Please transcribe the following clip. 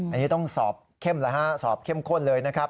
อันนี้ต้องสอบเข้มแล้วฮะสอบเข้มข้นเลยนะครับ